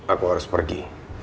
aku harus pergi